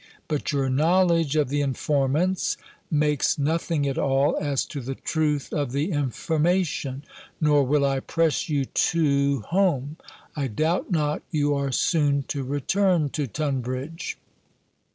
But your knowledge of the informants makes nothing at all as to the truth of the information Nor will I press you too home. I doubt not, you are soon to return to Tunbridge?"